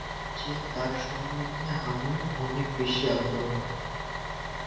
গান্ধীর চেয়ে তার সম্বন্ধেই আমার অনেক বেশী আগ্রহ।